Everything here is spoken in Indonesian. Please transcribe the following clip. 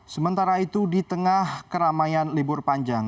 sementara itu di tengah keramaian libur panjang